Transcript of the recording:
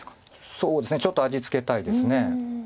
そうですねちょっと味つけたいです。